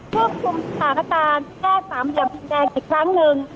ควบคุมสถานการณ์แก้สามเหลี่ยมดินแดงอีกครั้งหนึ่ง